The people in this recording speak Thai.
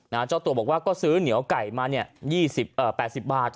นะฮะเจ้าตัวบอกว่าก็ซื้อเหนียวไก่มาเนี่ยยี่สิบเอ่อแปดสิบบาท